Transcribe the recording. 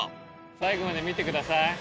最後まで見てください。